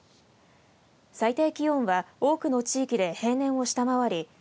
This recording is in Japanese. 最低気温は多くの地域で平年を下回り